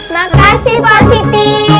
makasih pak siti